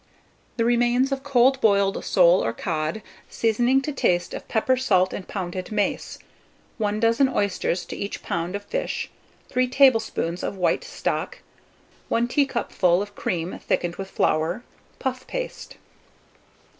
The remains of cold boiled sole or cod, seasoning to taste of pepper, salt, and pounded mace, 1 dozen oysters to each lb. of fish, 3 tablespoonfuls of white stock, 1 teacupful of cream thickened with flour, puff paste.